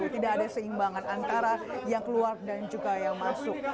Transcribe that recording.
tidak ada seimbangan antara yang keluar dan juga yang masuk